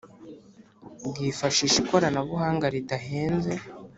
bwifashisha ikoranabuhanga ridahenze